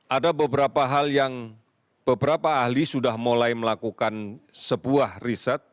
ada beberapa hal yang beberapa ahli sudah mulai melakukan sebuah riset